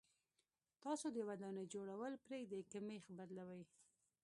تاسو د ودانۍ جوړول پرېږدئ که مېخ بدلوئ.